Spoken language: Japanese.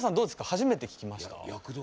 初めて聴きました？